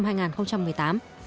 bộ công thương cho biết